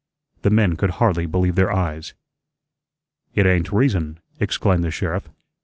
The men could hardly believe their eyes. "It ain't reason," exclaimed the sheriff.